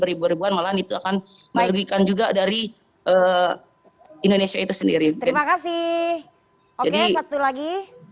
ribuan ribuan malahan itu akan merugikan juga dari indonesia itu sendiri terima kasih oke satu lagi